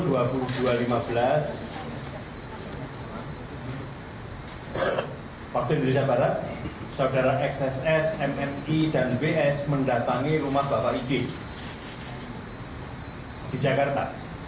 waktu indonesia barat saudara xss mmi dan ws mendatangi rumah bapak ig di jakarta